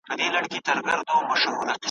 خپل پردي ورته راتلل له نیژدې لیري `